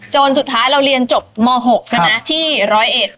จนสุดท้ายเราเรียนจบม๖นะที่รเอส